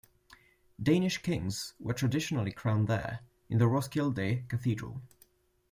Danish kings were traditionally crowned there, in the Roskilde Cathedral.